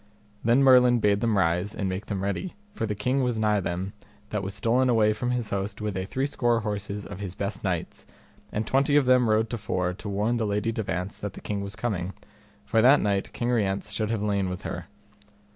Then Merlin bade them rise, and make them ready, for the king was nigh them, that was stolen away from his host with a three score horses of his best knights, and twenty of them rode to fore to warn the Lady de Vance that the king was coming; for that night King Rience should have lain with her.